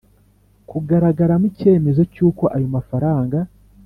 kugaragaramo icyemezo cy uko ayo mafaranga